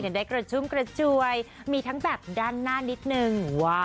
ได้กระชุ่มกระจวยมีทั้งแบบด้านหน้านิดนึง